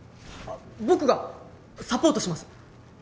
僕がサポートします。